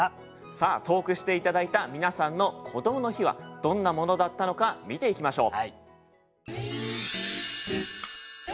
さあ投句して頂いた皆さんの「こどもの日」はどんなものだったのか見ていきましょう。